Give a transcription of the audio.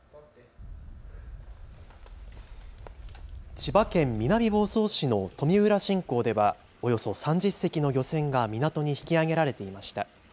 千葉県南房総市の富浦新港ではおよそ３０隻の漁船が港に引き揚げられていました。